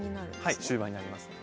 はい終盤になりますね。